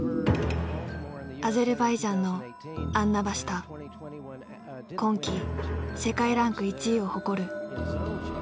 アゼルバイジャンの今季世界ランク１位を誇る。